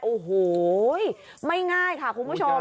โอ้โหไม่ง่ายค่ะคุณผู้ชม